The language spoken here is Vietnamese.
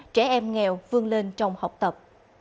trẻ em nghèo vương lên trong học tập